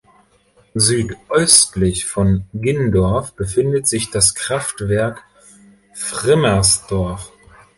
Südöstlich von Gindorf befindet sich das Kraftwerk Frimmersdorf.